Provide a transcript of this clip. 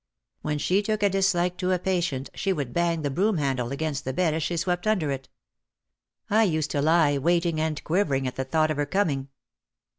When she took a dislike to a patient she would bang the broom handle against the bed as she swept under it. I used to lie waiting and quivering at the thought of her coming.